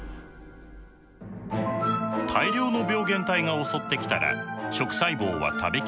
大量の病原体が襲ってきたら食細胞は食べきれません。